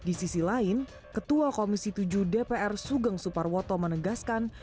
di sisi lain ketua komisi tujuh dpr sugeng suparwoto menegaskan